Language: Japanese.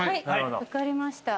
分かりました。